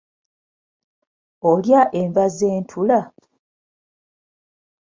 Olya enva z'entula?